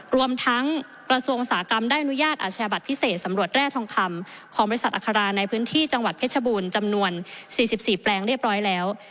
รวมทั้งกระทรวงอุตสาหกรรมได้อนุญาตอาชญาบัตรพิเศษสำรวจแร่ทองคำของบริษัทอัคราในพื้นที่จังหวัดเพชรบูรณ์จำนวน๔๔แปลงเรียบร้อยแล้ว